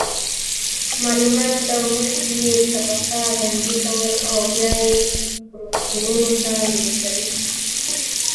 معلومات له مخې یې طبقه بندي کول او بیا یې روغتونونو ته لیږل.